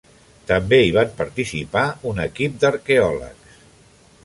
També hi van participar un equip d'arqueòlegs.